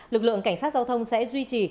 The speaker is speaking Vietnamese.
lực lượng cảnh sát giao thông sẽ duy trì